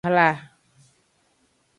Hla.